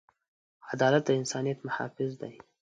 عدالت د انسانیت محافظ دی.